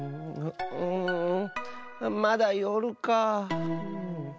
うんまだよるか。